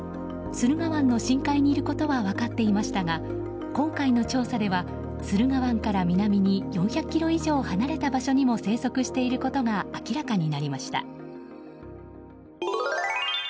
駿河湾の深海にいることは分かっていましたが今回の調査では駿河湾から南に４００ｋｍ以上離れた場所にも生息していることが明らかになりました。